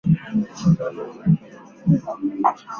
妄想以后对法作战还是一次简单的速决战是不现实的。